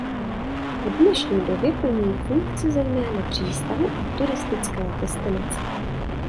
V dnešní době plní funkci zejména přístavu a turistické destinace.